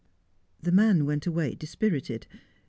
The man went away dispirited.